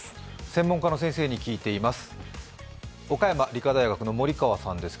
専門家の先生に聞いています。